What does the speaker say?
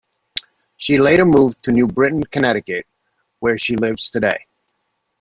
She later moved to New Britain, Connecticut, where she lives today.